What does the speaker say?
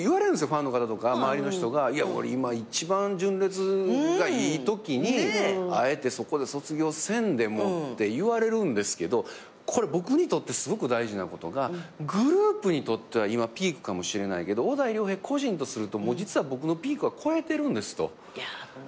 ファンの方とか周りの人が「今一番純烈がいいときにあえてそこで卒業せんでも」って言われるんですけどこれ僕にとってすごく大事なことがグループにとっては今ピークかもしれないけど小田井涼平個人とすると実は僕のピークは越えてるんですと。